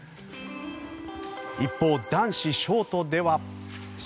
一方、男子ショートでは。